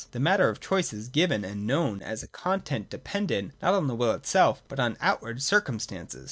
The matter of choice is given, and known as a content dependent not on the will itself, buLQn. outward circumstances.